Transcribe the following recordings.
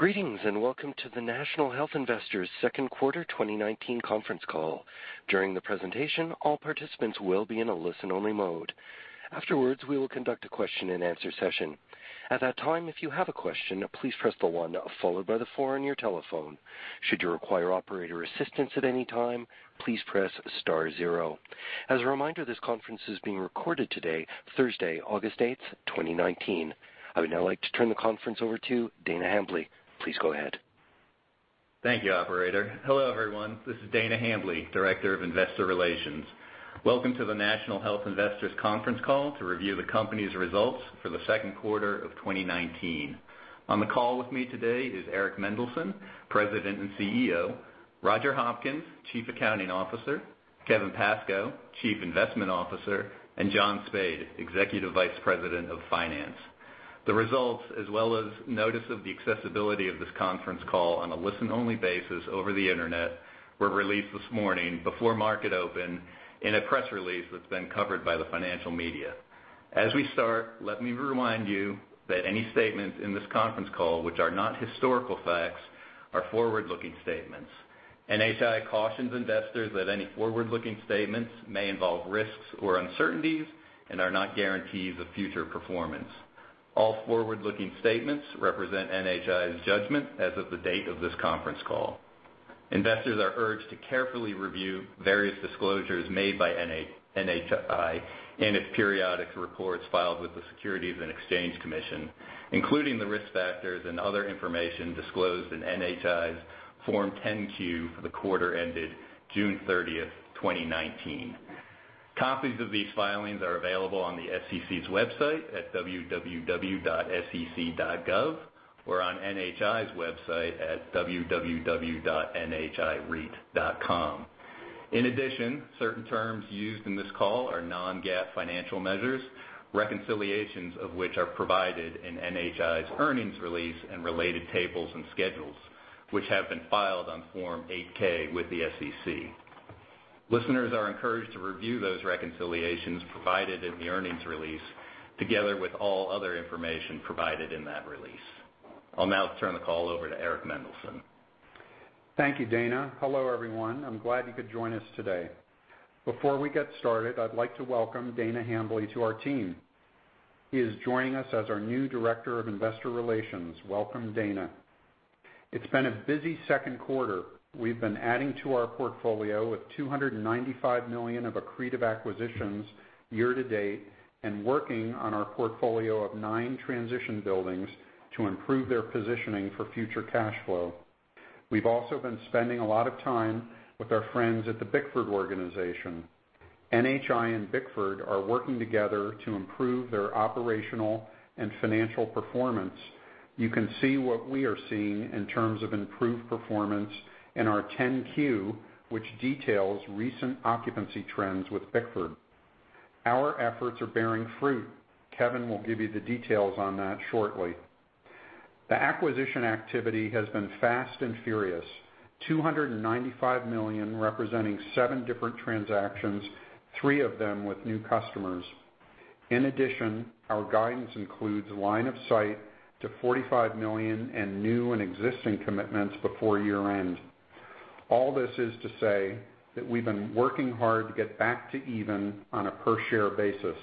Greetings, and welcome to the National Health Investors second quarter 2019 conference call. During the presentation, all participants will be in a listen-only mode. Afterwards, we will conduct a question and answer session. At that time, if you have a question, please press the one followed by the four on your telephone. Should you require operator assistance at any time, please press star zero. As a reminder, this conference is being recorded today, Thursday, August 8th, 2019. I would now like to turn the conference over to Dana Hambly. Please go ahead. Thank you, operator. Hello, everyone. This is Dana Hambly, Director of Investor Relations. Welcome to the National Health Investors conference call to review the company's results for the second quarter of 2019. On the call with me today is Eric Mendelsohn, President and CEO, Roger Hopkins, Chief Accounting Officer, Kevin Pascoe, Chief Investment Officer, and John Spaid, Executive Vice President of Finance. The results, as well as notice of the accessibility of this conference call on a listen-only basis over the internet, were released this morning before market open in a press release that's been covered by the financial media. As we start, let me remind you that any statements in this conference call which are not historical facts are forward-looking statements. NHI cautions investors that any forward-looking statements may involve risks or uncertainties and are not guarantees of future performance. All forward-looking statements represent NHI's judgment as of the date of this conference call. Investors are urged to carefully review various disclosures made by NHI in its periodic reports filed with the Securities and Exchange Commission, including the risk factors and other information disclosed in NHI's Form 10-Q for the quarter ended June 30, 2019. Copies of these filings are available on the SEC's website at www.sec.gov or on NHI's website at www.nhireit.com. In addition, certain terms used in this call are non-GAAP financial measures, reconciliations of which are provided in NHI's earnings release and related tables and schedules, which have been filed on Form 8-K with the SEC. Listeners are encouraged to review those reconciliations provided in the earnings release, together with all other information provided in that release. I'll now turn the call over to Eric Mendelsohn. Thank you, Dana. Hello, everyone. I'm glad you could join us today. Before we get started, I'd like to welcome Dana Hambly to our team. He is joining us as our new Director of Investor Relations. Welcome, Dana. It's been a busy second quarter. We've been adding to our portfolio with $295 million of accretive acquisitions year to date and working on our portfolio of nine transition buildings to improve their positioning for future cash flow. We've also been spending a lot of time with our friends at the Bickford organization. NHI and Bickford are working together to improve their operational and financial performance. You can see what we are seeing in terms of improved performance in our 10-Q, which details recent occupancy trends with Bickford. Our efforts are bearing fruit. Kevin will give you the details on that shortly. The acquisition activity has been fast and furious, $295 million representing 7 different transactions, 3 of them with new customers. Our guidance includes line of sight to $45 million in new and existing commitments before year-end. All this is to say that we've been working hard to get back to even on a per-share basis,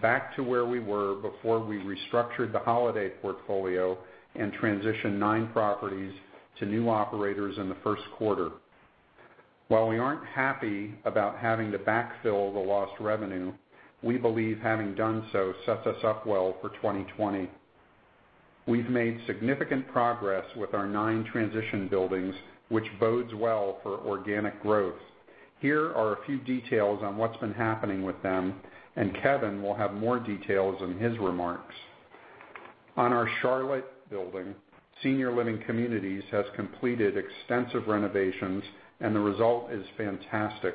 back to where we were before we restructured the Holiday portfolio and transitioned 9 properties to new operators in the first quarter. We aren't happy about having to backfill the lost revenue, we believe having done so sets us up well for 2020. We've made significant progress with our 9 transition buildings, which bodes well for organic growth. Here are a few details on what's been happening with them, Kevin will have more details in his remarks. On our Charlotte building, Senior Living Communities has completed extensive renovations. The result is fantastic.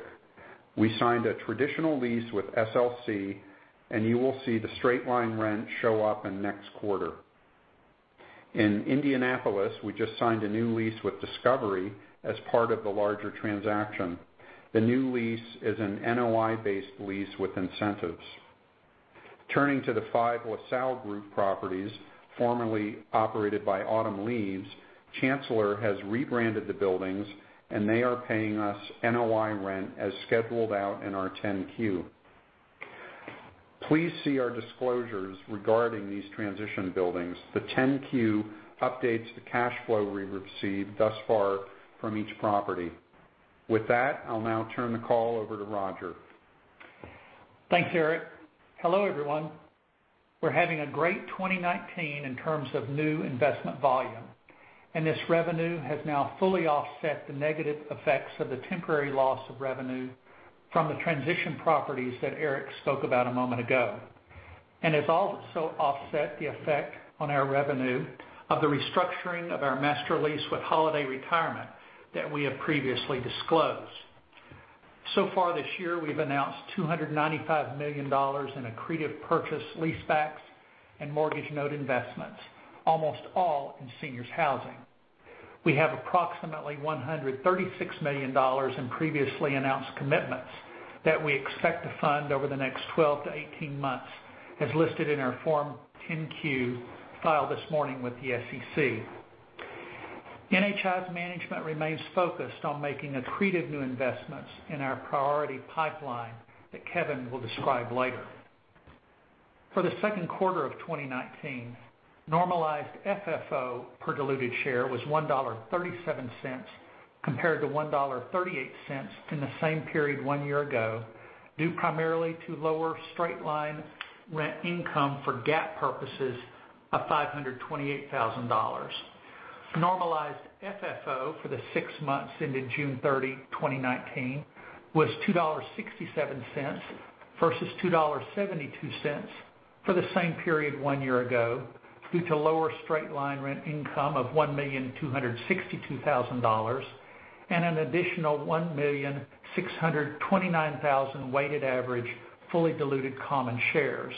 We signed a traditional lease with SLC. You will see the straight-line rent show up in next quarter. In Indianapolis, we just signed a new lease with Discovery as part of the larger transaction. The new lease is an NOI-based lease with incentives. Turning to the five LaSalle Group properties formerly operated by Autumn Leaves, Chancellor has rebranded the buildings. They are paying us NOI rent as scheduled out in our 10-Q. Please see our disclosures regarding these transition buildings. The 10-Q updates the cash flow we've received thus far from each property. With that, I'll now turn the call over to Roger. Thanks, Eric. Hello, everyone. We're having a great 2019 in terms of new investment volume, and this revenue has now fully offset the negative effects of the temporary loss of revenue from the transition properties that Eric spoke about a moment ago, and has also offset the effect on our revenue of the restructuring of our master lease with Holiday Retirement that we have previously disclosed. Far this year, we've announced $295 million in accretive purchase leasebacks and mortgage note investments, almost all in seniors housing. We have approximately $136 million in previously announced commitments that we expect to fund over the next 12 to 18 months, as listed in our Form 10-Q filed this morning with the SEC. NHI's management remains focused on making accretive new investments in our priority pipeline that Kevin will describe later. For the second quarter of 2019, normalized FFO per diluted share was $1.37, compared to $1.38 in the same period one year ago, due primarily to lower straight-line rent income for GAAP purposes of $528,000. Normalized FFO for the six months ended June 30, 2019, was $2.67 versus $2.72 for the same period one year ago, due to lower straight-line rent income of $1,262,000 and an additional 1,629,000 weighted average fully diluted common shares.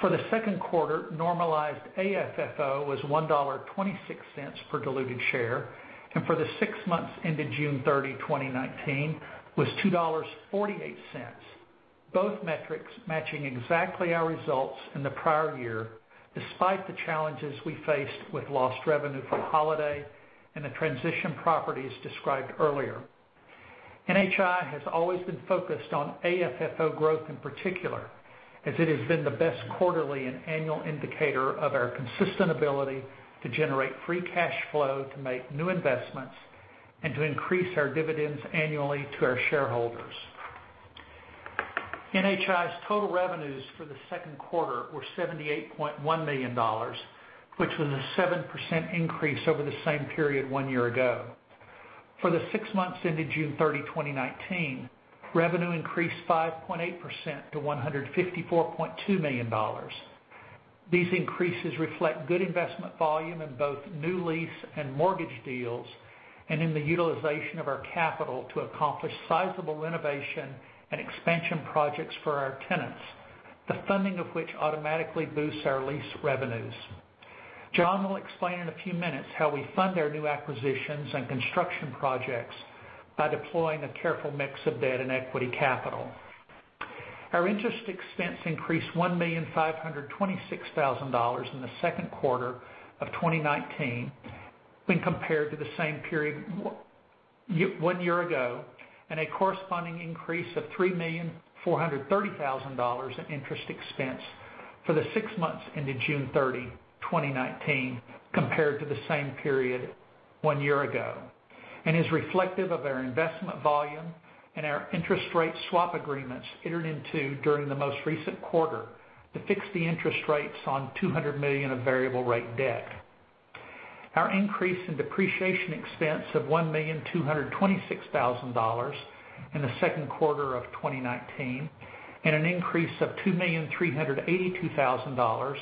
For the second quarter, normalized AFFO was $1.26 per diluted share, and for the six months ended June 30, 2019, was $2.48. Both metrics matching exactly our results in the prior year, despite the challenges we faced with lost revenue from Holiday and the transition properties described earlier. NHI has always been focused on AFFO growth in particular, as it has been the best quarterly and annual indicator of our consistent ability to generate free cash flow to make new investments and to increase our dividends annually to our shareholders. NHI's total revenues for the second quarter were $78.1 million, which was a 7% increase over the same period one year ago. For the six months ended June 30, 2019, revenue increased 5.8% to $154.2 million. These increases reflect good investment volume in both new lease and mortgage deals, and in the utilization of our capital to accomplish sizable renovation and expansion projects for our tenants, the funding of which automatically boosts our lease revenues. John will explain in a few minutes how we fund our new acquisitions and construction projects by deploying a careful mix of debt and equity capital. Our interest expense increased $1,526,000 in the second quarter of 2019 when compared to the same period one year ago, and a corresponding increase of $3,430,000 in interest expense for the six months ended June 30, 2019, compared to the same period one year ago, and is reflective of our investment volume and our interest rate swap agreements entered into during the most recent quarter to fix the interest rates on $200 million of variable rate debt. Our increase in depreciation expense of $1,226,000 in the second quarter of 2019, and an increase of $2,382,000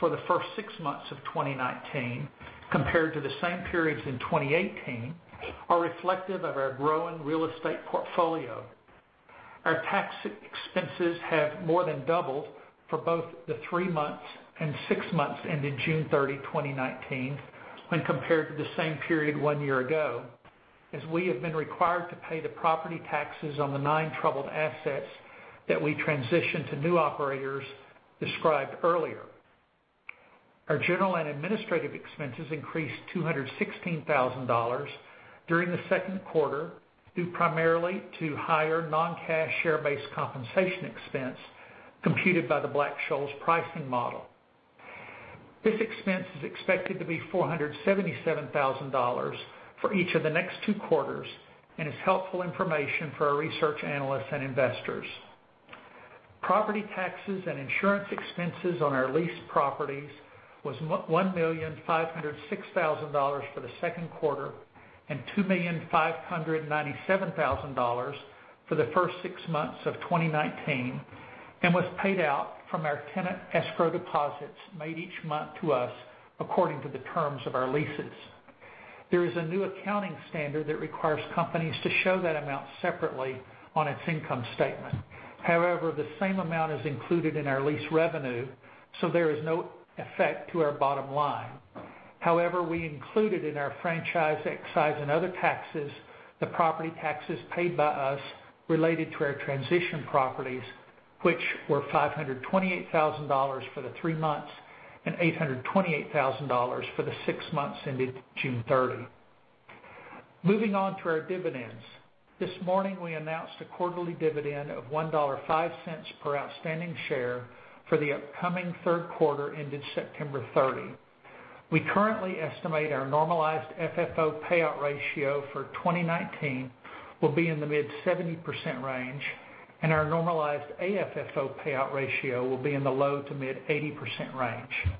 for the first six months of 2019, compared to the same periods in 2018, are reflective of our growing real estate portfolio. Our tax expenses have more than doubled for both the three months and six months ended June 30, 2019, when compared to the same period one year ago, as we have been required to pay the property taxes on the nine troubled assets that we transitioned to new operators described earlier. Our general and administrative expenses increased $216,000 during the second quarter, due primarily to higher non-cash share-based compensation expense computed by the Black-Scholes pricing model. This expense is expected to be $477,000 for each of the next two quarters and is helpful information for our research analysts and investors. Property taxes and insurance expenses on our leased properties was $1,506,000 for the second quarter and $2,597,000 for the first six months of 2019, and was paid out from our tenant escrow deposits made each month to us according to the terms of our leases. There is a new accounting standard that requires companies to show that amount separately on its income statement. The same amount is included in our lease revenue, so there is no effect to our bottom line. We included in our franchise, excise, and other taxes, the property taxes paid by us related to our transition properties, which were $528,000 for the three months and $828,000 for the six months ended June 30. Moving on to our dividends. This morning, we announced a quarterly dividend of $1.05 per outstanding share for the upcoming third quarter ended September 30. We currently estimate our normalized FFO payout ratio for 2019 will be in the mid 70% range, and our normalized AFFO payout ratio will be in the low to mid 80% range.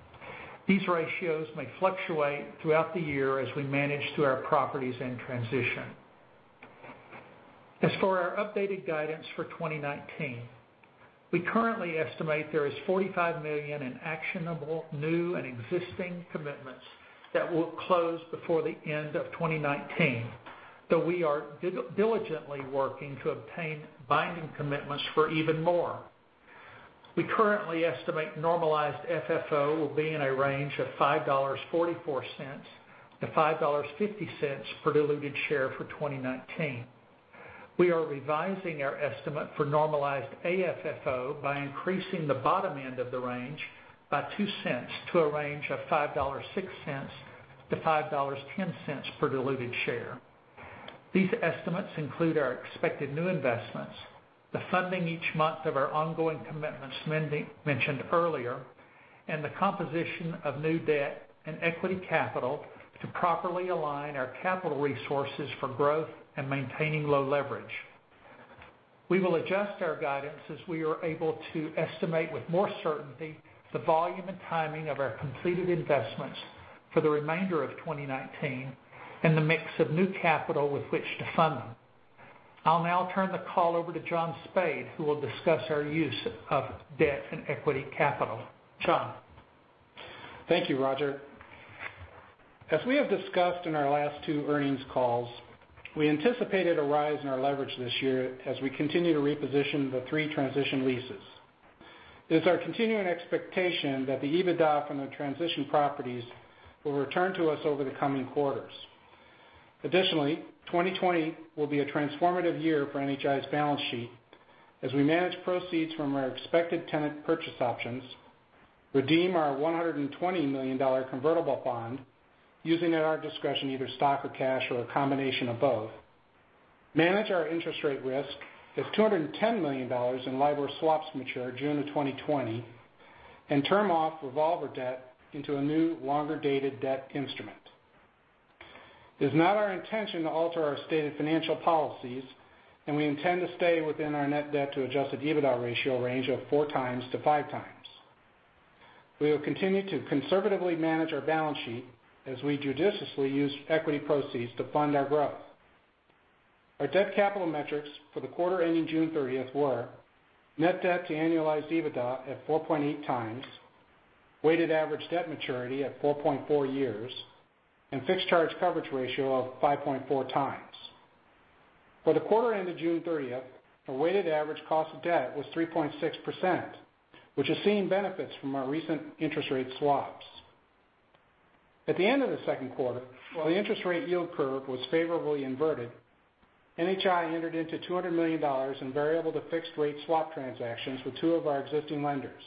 These ratios may fluctuate throughout the year as we manage through our properties in transition. As for our updated guidance for 2019, we currently estimate there is $45 million in actionable new and existing commitments that will close before the end of 2019, though we are diligently working to obtain binding commitments for even more. We currently estimate normalized FFO will be in a range of $5.44-$5.50 per diluted share for 2019. We are revising our estimate for normalized AFFO by increasing the bottom end of the range by $0.02 to a range of $5.06-$5.10 per diluted share. These estimates include our expected new investments, the funding each month of our ongoing commitments mentioned earlier, and the composition of new debt and equity capital to properly align our capital resources for growth and maintaining low leverage. We will adjust our guidance as we are able to estimate with more certainty the volume and timing of our completed investments for the remainder of 2019 and the mix of new capital with which to fund them. I'll now turn the call over to John Spaid, who will discuss our use of debt and equity capital. John? Thank you, Roger. As we have discussed in our last two earnings calls, we anticipated a rise in our leverage this year as we continue to reposition the three transition leases. It is our continuing expectation that the EBITDA from the transition properties will return to us over the coming quarters. Additionally, 2020 will be a transformative year for NHI's balance sheet as we manage proceeds from our expected tenant purchase options, redeem our $120 million convertible bond, using at our discretion either stock or cash or a combination of both, manage our interest rate risk as $210 million in LIBOR swaps mature June of 2020, and term off revolver debt into a new longer-dated debt instrument. It is not our intention to alter our stated financial policies, and we intend to stay within our net debt to adjusted EBITDA ratio range of four times to five times. We will continue to conservatively manage our balance sheet as we judiciously use equity proceeds to fund our growth. Our debt capital metrics for the quarter ending June 30th were net debt to annualized EBITDA at 4.8 times, weighted average debt maturity at 4.4 years, and fixed charge coverage ratio of 5.4 times. For the quarter ended June 30th, the weighted average cost of debt was 3.6%, which is seeing benefits from our recent interest rate swaps. At the end of the second quarter, while the interest rate yield curve was favorably inverted, NHI entered into $200 million in variable to fixed rate swap transactions with two of our existing lenders.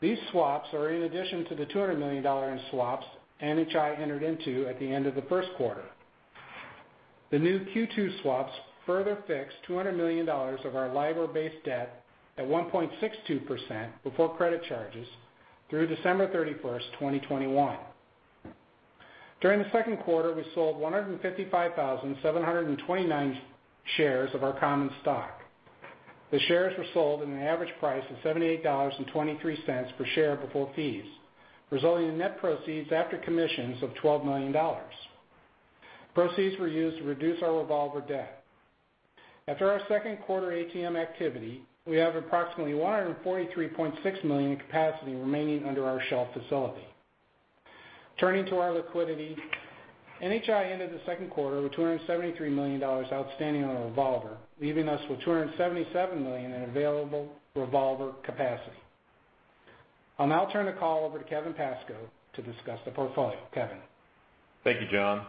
These swaps are in addition to the $200 million in swaps NHI entered into at the end of the first quarter. The new Q2 swaps further fixed $200 million of our LIBOR-based debt at 1.62% before credit charges through December 31st, 2021. During the second quarter, we sold 155,729 shares of our common stock. The shares were sold at an average price of $78.23 per share before fees, resulting in net proceeds after commissions of $12 million. Proceeds were used to reduce our revolver debt. After our second quarter ATM activity, we have approximately $143.6 million in capacity remaining under our shelf facility. Turning to our liquidity, NHI ended the second quarter with $273 million outstanding on a revolver, leaving us with $277 million in available revolver capacity. I'll now turn the call over to Kevin Pascoe to discuss the portfolio. Kevin? Thank you, John.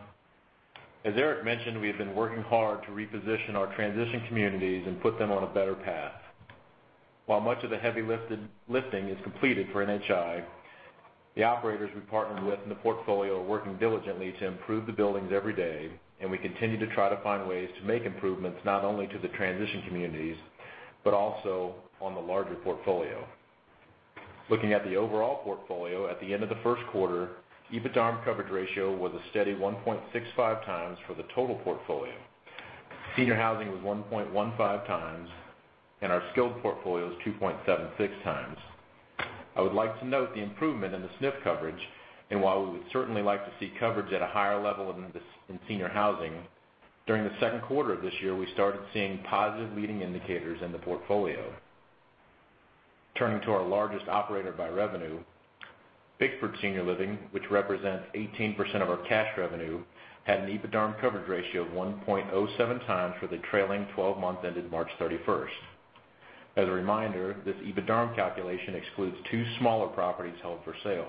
As Eric mentioned, we have been working hard to reposition our transition communities and put them on a better path. While much of the heavy lifting is completed for NHI, the operators we partnered with in the portfolio are working diligently to improve the buildings every day, and we continue to try to find ways to make improvements not only to the transition communities, but also on the larger portfolio. Looking at the overall portfolio at the end of the first quarter, EBITDARM coverage ratio was a steady 1.65 times for the total portfolio. Senior housing was 1.15 times, and our skilled portfolio was 2.76 times. I would like to note the improvement in the SNF coverage, and while we would certainly like to see coverage at a higher level in senior housing, during the second quarter of this year, we started seeing positive leading indicators in the portfolio. Turning to our largest operator by revenue, Bickford Senior Living, which represents 18% of our cash revenue, had an EBITDARM coverage ratio of 1.07 times for the trailing 12 months ended March 31st. As a reminder, this EBITDARM calculation excludes two smaller properties held for sale.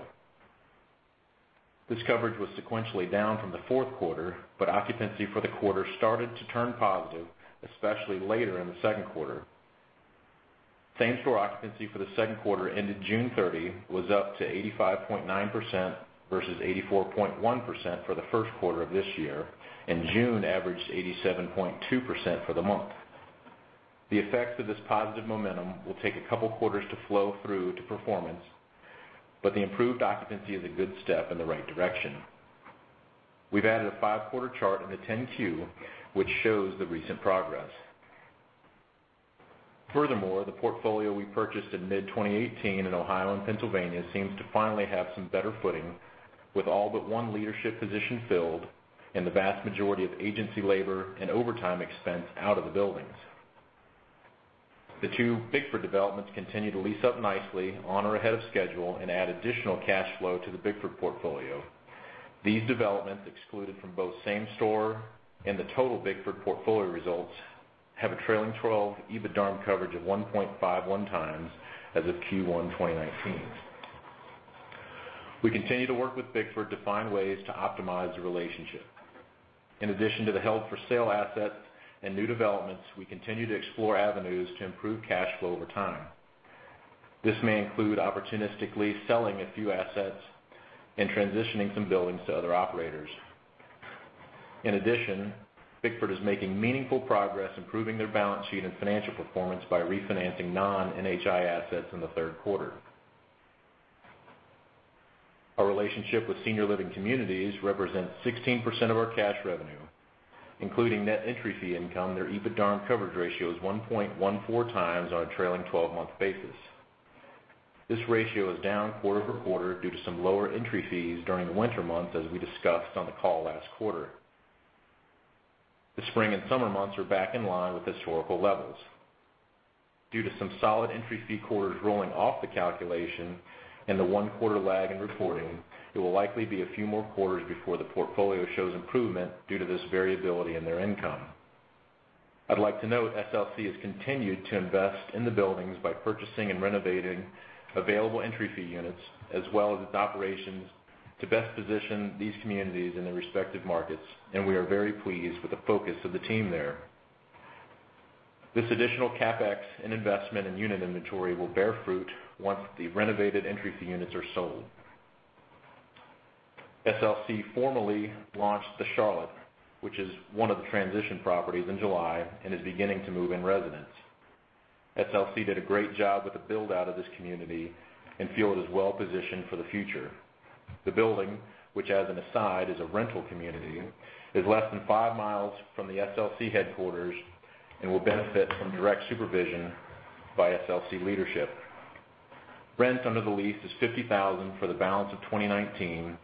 This coverage was sequentially down from the fourth quarter, but occupancy for the quarter started to turn positive, especially later in the second quarter. Same store occupancy for the second quarter ended June 30, was up to 85.9% versus 84.1% for the first quarter of this year, and June averaged 87.2% for the month. The effects of this positive momentum will take a couple quarters to flow through to performance, but the improved occupancy is a good step in the right direction. We've added a five-quarter chart in the 10-Q, which shows the recent progress. The portfolio we purchased in mid-2018 in Ohio and Pennsylvania seems to finally have some better footing with all but one leadership position filled and the vast majority of agency labor and overtime expense out of the buildings. The two Bickford developments continue to lease up nicely on or ahead of schedule and add additional cash flow to the Bickford portfolio. These developments excluded from both same store and the total Bickford portfolio results have a trailing 12 EBITDARM coverage of 1.51 times as of Q1 2019. We continue to work with Bickford to find ways to optimize the relationship. In addition to the held for sale assets and new developments, we continue to explore avenues to improve cash flow over time. This may include opportunistically selling a few assets and transitioning some buildings to other operators. In addition, Bickford is making meaningful progress improving their balance sheet and financial performance by refinancing non-NHI assets in the third quarter. Our relationship with Senior Living Communities represents 16% of our cash revenue, including net entry fee income, their EBITDARM coverage ratio is 1.14 times on a trailing 12-month basis. This ratio is down quarter-over-quarter due to some lower entry fees during the winter months, as we discussed on the call last quarter. The spring and summer months are back in line with historical levels. Due to some solid entry fee quarters rolling off the calculation and the one quarter lag in reporting, it will likely be a few more quarters before the portfolio shows improvement due to this variability in their income. I'd like to note SLC has continued to invest in the buildings by purchasing and renovating available entry fee units, as well as its operations to best position these communities in their respective markets, and we are very pleased with the focus of the team there. This additional CapEx and investment in unit inventory will bear fruit once the renovated entry fee units are sold. SLC formally launched The Charlotte, which is one of the transition properties in July and is beginning to move in residents. SLC did a great job with the build-out of this community and feel it is well positioned for the future. The building, which as an aside is a rental community, is less than five miles from the SLC headquarters and will benefit from direct supervision by SLC leadership. Rent under the lease is $50,000 for the balance of 2019,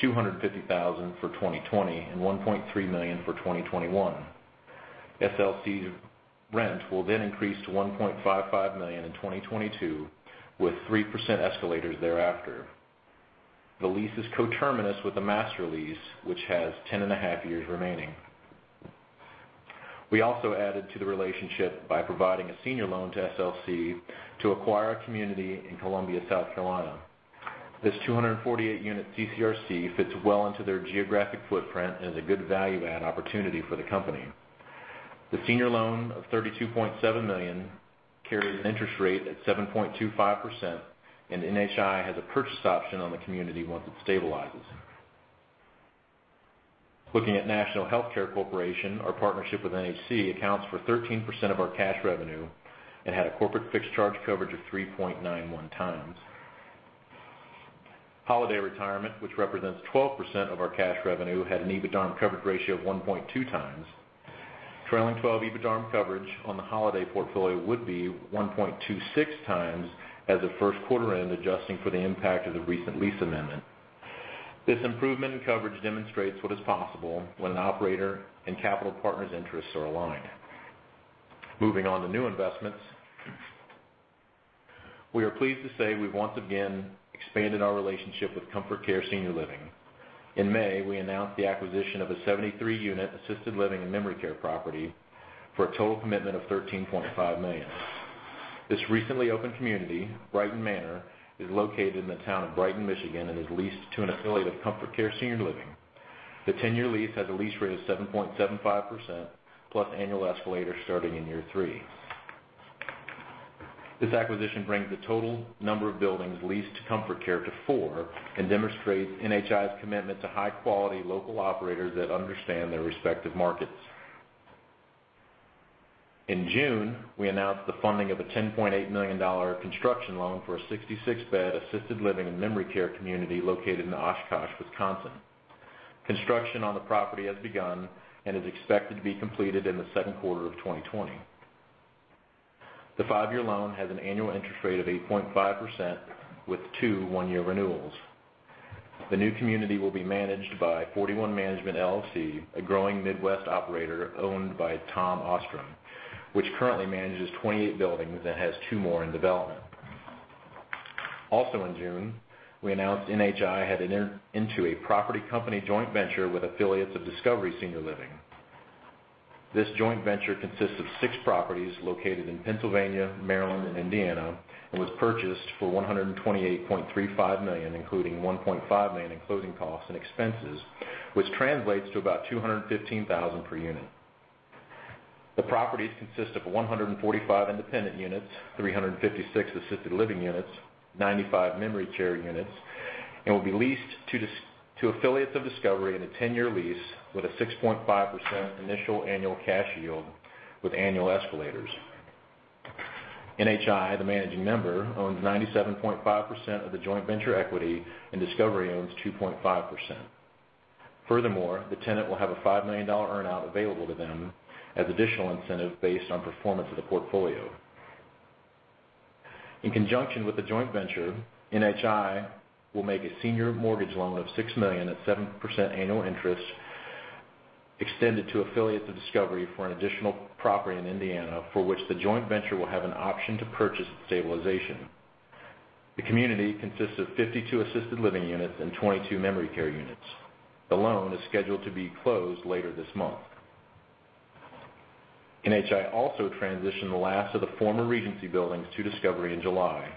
$250,000 for 2020, and $1.3 million for 2021. SLC rent will then increase to $1.55 million in 2022, with 3% escalators thereafter. The lease is coterminous with the master lease, which has 10 and a half years remaining. We also added to the relationship by providing a senior loan to SLC to acquire a community in Columbia, South Carolina. This 248-unit CCRC fits well into their geographic footprint and is a good value add opportunity for the company. The senior loan of $32.7 million carries an interest rate at 7.25%, and NHI has a purchase option on the community once it stabilizes. Looking at National HealthCare Corporation, our partnership with NHC accounts for 13% of our cash revenue and had a corporate fixed charge coverage of 3.91 times. Holiday Retirement, which represents 12% of our cash revenue, had an EBITDARM coverage ratio of 1.2 times. Trailing 12 EBITDARM coverage on the Holiday portfolio would be 1.26 times as of first quarter end, adjusting for the impact of the recent lease amendment. This improvement in coverage demonstrates what is possible when an operator and capital partner's interests are aligned. Moving on to new investments. We are pleased to say we've once again expanded our relationship with Comfort Care Senior Living. In May, we announced the acquisition of a 73-unit assisted living and memory care property for a total commitment of $13.5 million. This recently opened community, Brighton Manor, is located in the town of Brighton, Michigan, and is leased to an affiliate of Comfort Care Senior Living. The 10-year lease has a lease rate of 7.75% plus annual escalators starting in year three. This acquisition brings the total number of buildings leased to Comfort Care to four and demonstrates NHI's commitment to high quality local operators that understand their respective markets. In June, we announced the funding of a $10.8 million construction loan for a 66-bed assisted living and memory care community located in Oshkosh, Wisconsin. Construction on the property has begun and is expected to be completed in the second quarter of 2020. The five-year loan has an annual interest rate of 8.5% with two one-year renewals. The new community will be managed by 41 Management LLC, a growing Midwest operator owned by Tom Ostrom, which currently manages 28 buildings and has two more in development. In June, we announced NHI headed into a property company joint venture with affiliates of Discovery Senior Living. This joint venture consists of six properties located in Pennsylvania, Maryland, and Indiana, and was purchased for $128.35 million, including $1.5 million in closing costs and expenses, which translates to about $215,000 per unit. The properties consist of 145 independent units, 356 assisted living units, 95 memory care units, and will be leased to affiliates of Discovery in a 10-year lease with a 6.5% initial annual cash yield with annual escalators. NHI, the managing member, owns 97.5% of the joint venture equity, and Discovery owns 2.5%. The tenant will have a $5 million earn-out available to them as additional incentive based on performance of the portfolio. In conjunction with the joint venture, NHI will make a senior mortgage loan of $6 million at 7% annual interest extended to affiliates of Discovery for an additional property in Indiana, for which the joint venture will have an option to purchase its stabilization. The community consists of 52 assisted living units and 22 memory care units. The loan is scheduled to be closed later this month. NHI also transitioned the last of the former Regency buildings to Discovery in July.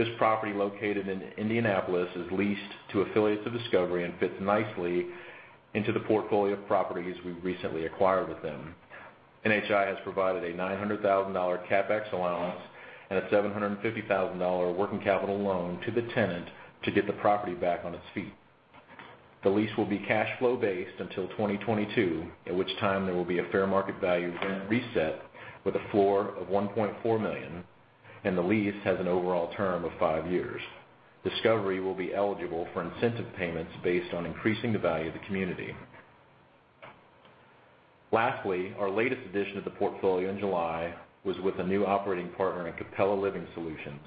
This property, located in Indianapolis, is leased to affiliates of Discovery and fits nicely into the portfolio of properties we recently acquired with them. NHI has provided a $900,000 CapEx allowance and a $750,000 working capital loan to the tenant to get the property back on its feet. The lease will be cash flow based until 2022, at which time there will be a fair market value rent reset with a floor of $1.4 million, and the lease has an overall term of five years. Discovery will be eligible for incentive payments based on increasing the value of the community. Lastly, our latest addition to the portfolio in July was with a new operating partner in Cappella Living Solutions.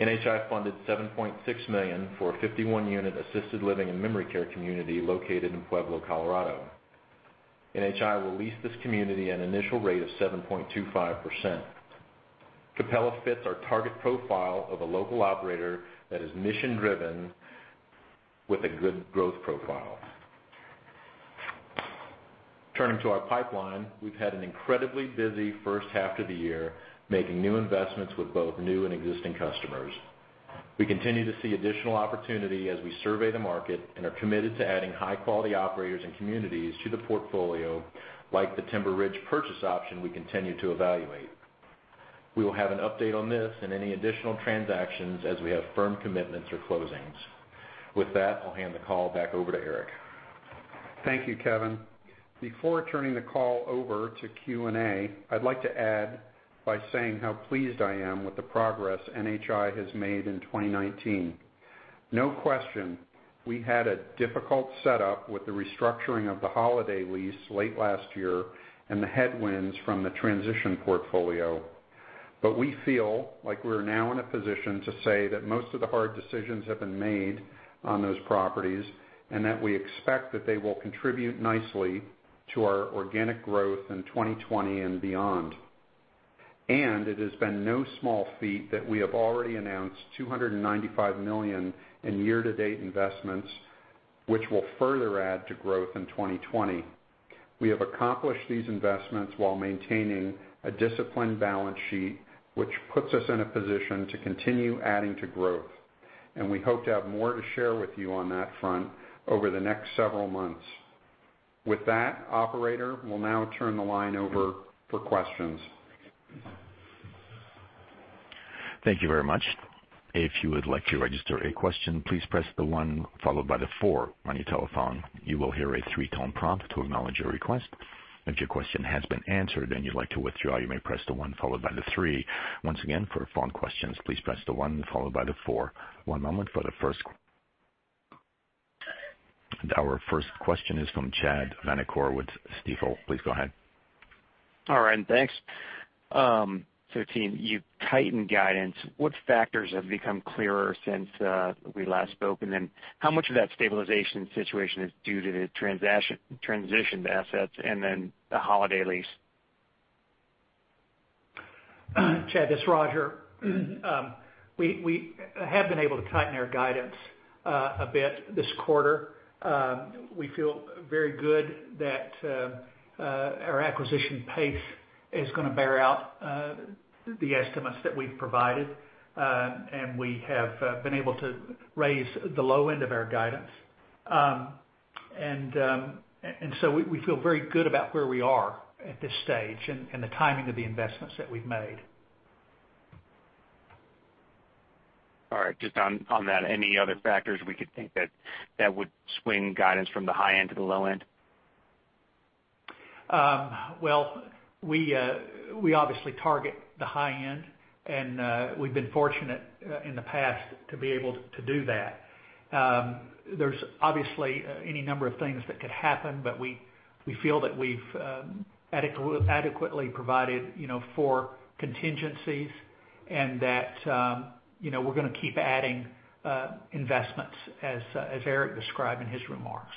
NHI funded $7.6 million for a 51-unit assisted living and memory care community located in Pueblo, Colorado. NHI will lease this community at an initial rate of 7.25%. Cappella fits our target profile of a local operator that is mission-driven with a good growth profile. Turning to our pipeline, we've had an incredibly busy first half of the year, making new investments with both new and existing customers. We continue to see additional opportunity as we survey the market and are committed to adding high-quality operators and communities to the portfolio, like the Timber Ridge purchase option we continue to evaluate. We will have an update on this and any additional transactions as we have firm commitments or closings. With that, I'll hand the call back over to Eric. Thank you, Kevin. Before turning the call over to Q&A, I'd like to add by saying how pleased I am with the progress NHI has made in 2019. No question, we had a difficult setup with the restructuring of the Holiday lease late last year and the headwinds from the transition portfolio. We feel like we're now in a position to say that most of the hard decisions have been made on those properties, and that we expect that they will contribute nicely to our organic growth in 2020 and beyond. It has been no small feat that we have already announced $295 million in year-to-date investments, which will further add to growth in 2020. We have accomplished these investments while maintaining a disciplined balance sheet, which puts us in a position to continue adding to growth. We hope to have more to share with you on that front over the next several months. With that, operator, we'll now turn the line over for questions. Thank you very much. If you would like to register a question, please press the one followed by the four on your telephone. You will hear a three-tone prompt to acknowledge your request. If your question has been answered and you'd like to withdraw, you may press the one followed by the three. Once again, for phone questions, please press the one followed by the four. One moment. Our first question is from Chad Vanacore with Stifel. Please go ahead. All right, and thanks. The team, you've tightened guidance. What factors have become clearer since we last spoke? How much of that stabilization situation is due to the transitioned assets and then the Holiday Lease? Chad, this is Roger. We have been able to tighten our guidance a bit this quarter. We feel very good that our acquisition pace is going to bear out the estimates that we've provided. We have been able to raise the low end of our guidance. We feel very good about where we are at this stage and the timing of the investments that we've made. All right. Just on that, any other factors we could think that would swing guidance from the high end to the low end? Well, we obviously target the high end, and we've been fortunate in the past to be able to do that. There's obviously any number of things that could happen, but we feel that we've adequately provided for contingencies and that we're going to keep adding investments, as Eric described in his remarks.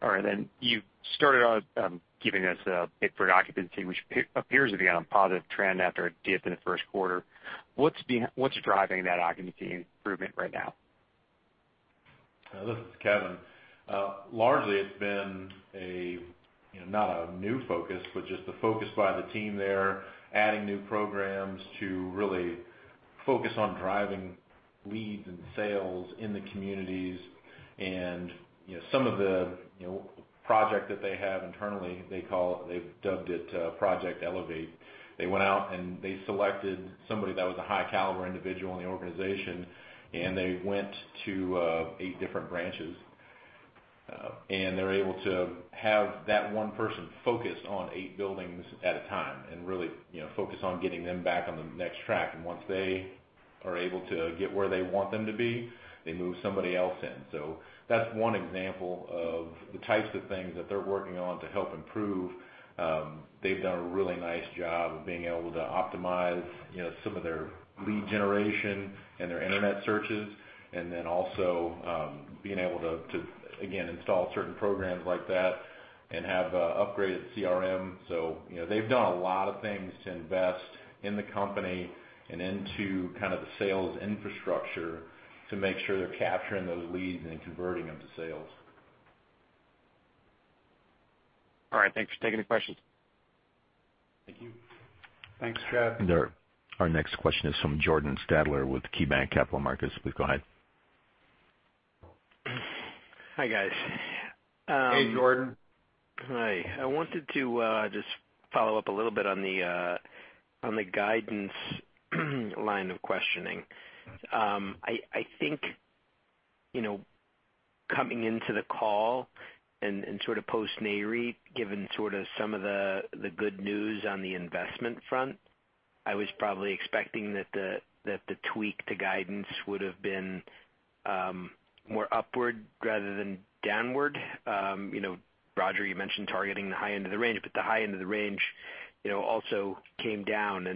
All right. You started out giving us a pick for occupancy, which appears to be on a positive trend after a dip in the first quarter. What's driving that occupancy improvement right now? This is Kevin. Largely, it's been, not a new focus, but just the focus by the team there, adding new programs to really focus on driving leads and sales in the communities and some of the project that they have internally, they've dubbed it Project Elevate. They went out, and they selected somebody that was a high-caliber individual in the organization, and they went to eight different branches. They're able to have that one person focused on eight buildings at a time and really focused on getting them back on the next track. Are able to get where they want them to be, they move somebody else in. That's one example of the types of things that they're working on to help improve. They've done a really nice job of being able to optimize some of their lead generation and their internet searches, and then also being able to, again, install certain programs like that and have upgraded CRM. They've done a lot of things to invest in the company and into kind of the sales infrastructure to make sure they're capturing those leads and converting them to sales. All right. Thanks for taking the questions. Thank you. Thanks, Chad. Our next question is from Jordan Sadler with KeyBanc Capital Markets. Please go ahead. Hi, guys. Hey, Jordan. Hi. I wanted to just follow up a little bit on the guidance line of questioning. I think, coming into the call and sort of post-NAREIT, given sort of some of the good news on the investment front, I was probably expecting that the tweak to guidance would've been more upward rather than downward. Roger, you mentioned targeting the high end of the range, but the high end of the range also came down.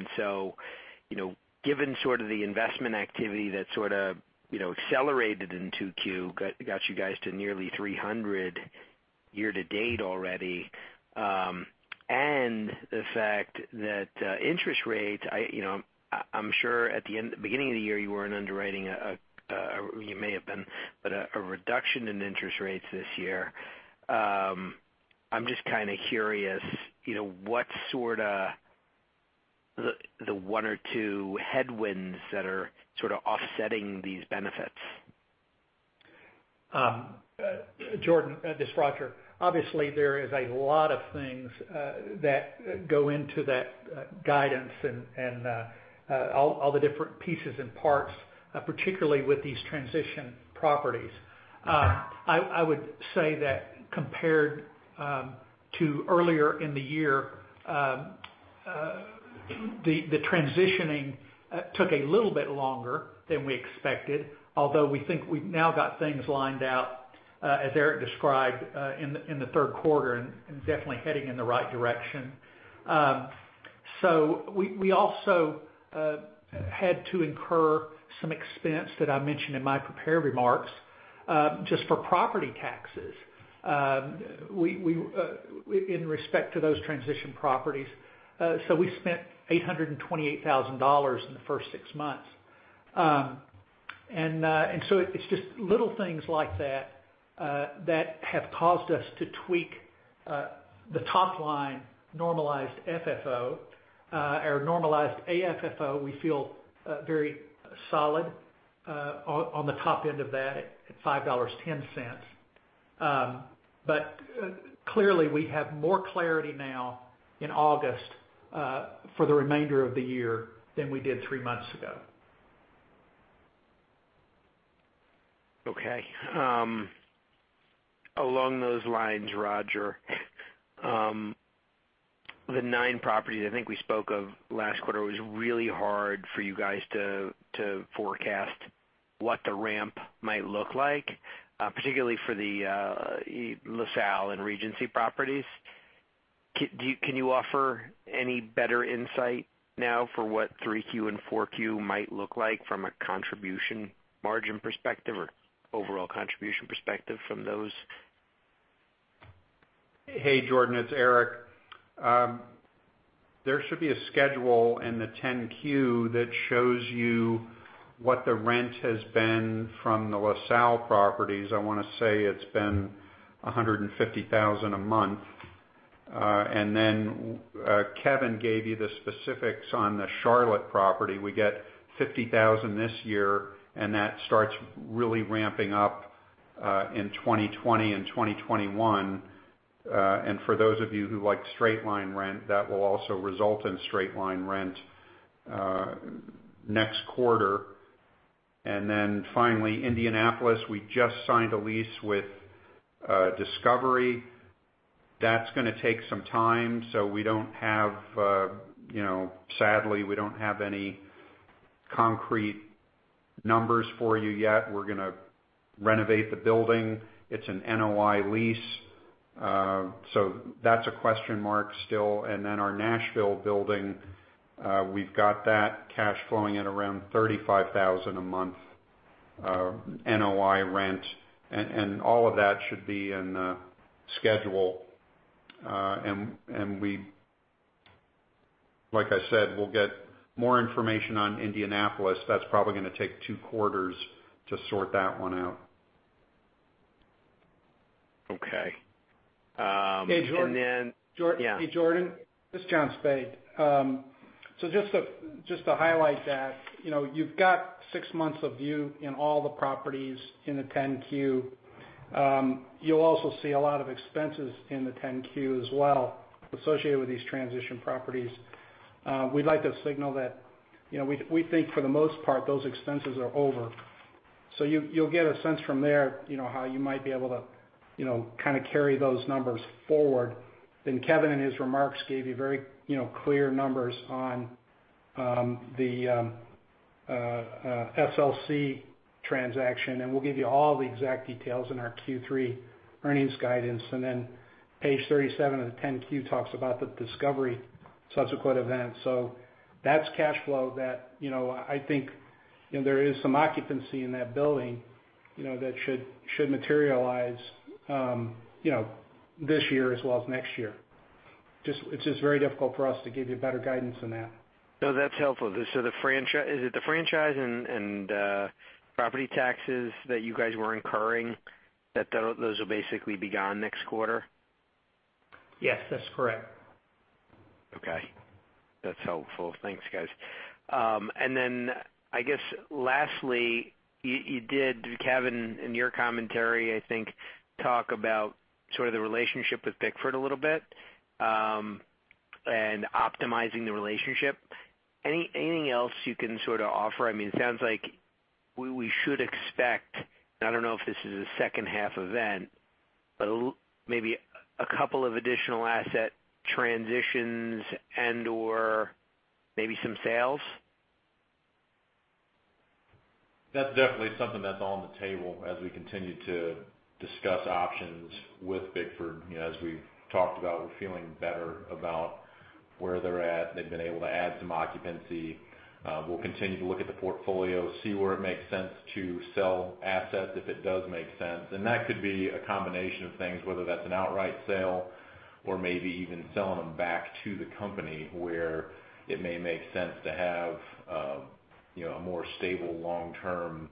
Given sort of the investment activity that sort of accelerated in 2Q, got you guys to nearly 300 year to date already, and the fact that interest rates, I'm sure at the beginning of the year, you weren't underwriting, or you may have been, but a reduction in interest rates this year. I'm just kind of curious, what sort of the one or two headwinds that are sort of offsetting these benefits? Jordan, this is Roger. Obviously, there is a lot of things that go into that guidance and all the different pieces and parts, particularly with these transition properties. Okay. I would say that compared to earlier in the year, the transitioning took a little bit longer than we expected, although we think we've now got things lined out, as Eric described, in the third quarter, and definitely heading in the right direction. We also had to incur some expense that I mentioned in my prepared remarks, just for property taxes in respect to those transition properties. We spent $828,000 in the first six months. It's just little things like that have caused us to tweak the top line normalized FFO or normalized AFFO. We feel very solid on the top end of that at $5.10. Clearly, we have more clarity now in August, for the remainder of the year, than we did three months ago. Okay. Along those lines, Roger, the nine properties I think we spoke of last quarter was really hard for you guys to forecast what the ramp might look like, particularly for the LaSalle and Regency properties. Can you offer any better insight now for what 3Q and 4Q might look like from a contribution margin perspective or overall contribution perspective from those? Hey, Jordan, it's Eric. There should be a schedule in the 10-Q that shows you what the rent has been from the LaSalle properties. I want to say it's been $150,000 a month. Kevin gave you the specifics on the Charlotte property. We get $50,000 this year, and that starts really ramping up in 2020 and 2021. For those of you who like straight line rent, that will also result in straight line rent next quarter. Finally, Indianapolis, we just signed a lease with Discovery. That's going to take some time, sadly we don't have any concrete numbers for you yet. We're going to renovate the building. It's an NOI lease. That's a question mark still. Our Nashville building, we've got that cash flowing at around $35,000 a month NOI rent. All of that should be in the schedule. Like I said, we'll get more information on Indianapolis. That's probably going to take two quarters to sort that one out. Okay. Hey, Jordan. Yeah. This is John Spaid. Just to highlight that, you've got six months of view in all the properties in the 10-Q. You'll also see a lot of expenses in the 10-Q as well associated with these transition properties. We'd like to signal that we think, for the most part, those expenses are over You'll get a sense from there, how you might be able to carry those numbers forward. Kevin, in his remarks, gave you very clear numbers on the SLC transaction, and we'll give you all the exact details in our Q3 earnings guidance. Page 37 of the 10-Q talks about the Discovery subsequent events. That's cash flow that I think there is some occupancy in that building, that should materialize this year as well as next year. It's just very difficult for us to give you better guidance than that. No, that's helpful. Is it the franchise and property taxes that you guys were incurring, that those will basically be gone next quarter? Yes, that's correct. Okay. That's helpful. Thanks, guys. I guess lastly, you did, Kevin, in your commentary, I think, talk about sort of the relationship with Bickford a little bit, and optimizing the relationship. Anything else you can sort of offer? It sounds like we should expect, and I don't know if this is a second half event, but maybe a couple of additional asset transitions and/or maybe some sales? That's definitely something that's on the table as we continue to discuss options with Bickford. As we've talked about, we're feeling better about where they're at. They've been able to add some occupancy. We'll continue to look at the portfolio, see where it makes sense to sell assets, if it does make sense. That could be a combination of things, whether that's an outright sale or maybe even selling them back to the company, where it may make sense to have a more stable long-term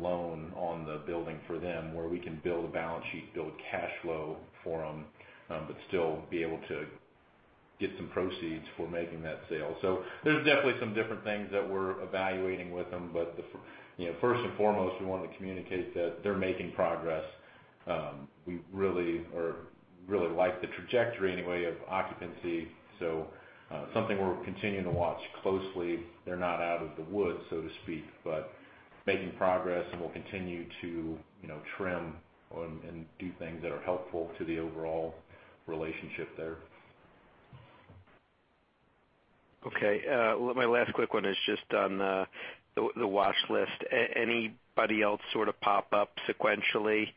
loan on the building for them, where we can build a balance sheet, build cash flow for them, but still be able to get some proceeds for making that sale. There's definitely some different things that we're evaluating with them. First and foremost, we want to communicate that they're making progress. We really like the trajectory anyway of occupancy, so something we're continuing to watch closely. They're not out of the woods, so to speak, but making progress and we'll continue to trim and do things that are helpful to the overall relationship there. Okay. My last quick one is just on the watch list. Anybody else sort of pop up sequentially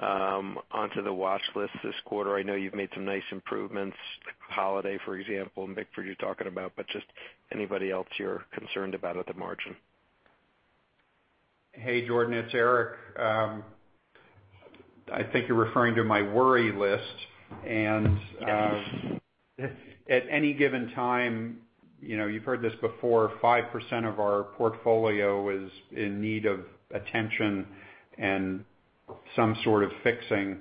onto the watch list this quarter? I know you've made some nice improvements, Holiday, for example, and Bickford, you're talking about, but just anybody else you're concerned about at the margin? Hey, Jordan. It's Eric. I think you're referring to my worry list. Yes. At any given time, you've heard this before, 5% of our portfolio is in need of attention and some sort of fixing.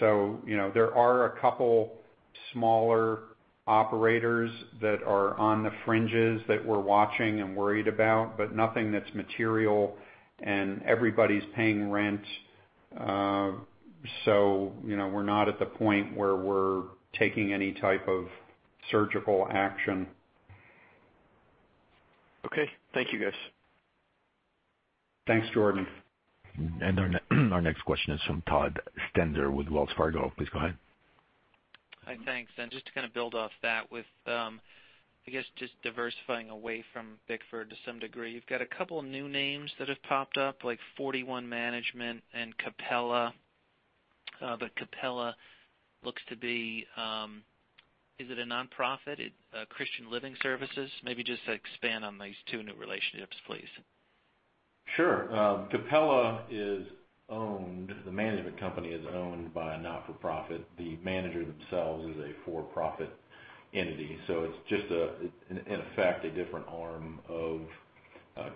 There are a couple smaller operators that are on the fringes that we're watching and worried about, but nothing that's material and everybody's paying rent. We're not at the point where we're taking any type of surgical action. Okay. Thank you, guys. Thanks, Jordan. Our next question is from Todd Stender with Wells Fargo. Please go ahead. Hi, thanks. Just to kind of build off that with, I guess just diversifying away from Bickford to some degree, you've got a couple of new names that have popped up, like 41 Management and Cappella. Cappella looks to be. Is it a nonprofit? Christian Living Communities? Maybe just expand on these two new relationships, please. Sure. Cappella, the management company, is owned by a not-for-profit. The manager themselves is a for-profit entity, it's just, in effect, a different arm of